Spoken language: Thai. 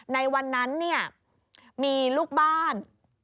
ในวันนั้นมีลูกบ้าน